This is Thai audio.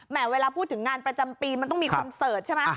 เวลาพูดถึงงานประจำปีมันต้องมีคอนเสิร์ตใช่ไหม